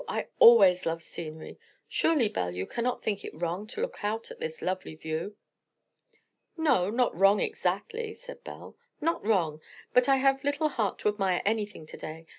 I always love scenery. Surely, Belle, you cannot think it wrong to look out at this lovely view?" "No, not wrong exactly," said Belle; "not wrong; but I have little heart to admire anything to day.